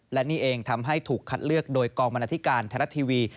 และนี่เองทำให้ถูกคัดเลือกโดยกองบรรณาธิการไทยรัฐทีวี